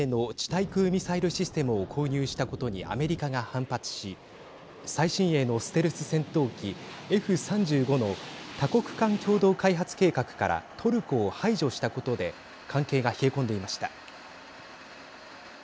対空ミサイルシステムを購入したことにアメリカが反発し最新鋭のステルス戦闘機Ｆ３５の多国間共同開発計画からトルコを排除したことで関係が冷え込んでいました。